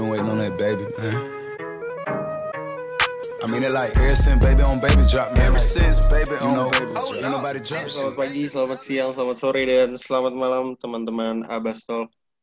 selamat pagi selamat siang selamat sore dan selamat malam teman teman abastol